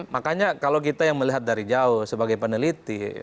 makanya kalau kita yang melihat dari jauh sebagai peneliti